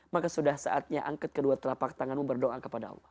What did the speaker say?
maka sudah saatnya angkat kedua telapak tanganmu berdoa kepada allah